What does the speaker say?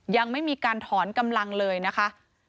ยังไม่มีการถอนกำลังเลยนะคะ